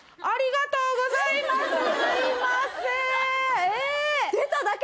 ありがとうございます。